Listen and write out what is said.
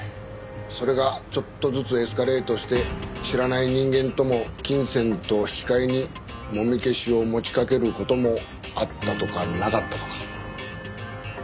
それがちょっとずつエスカレートして知らない人間とも金銭と引き換えにもみ消しを持ちかける事もあったとかなかったとか。